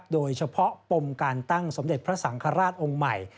โดยเฉพาะปมการตั้งสมเด็จพระสังคราชองค์ใหม่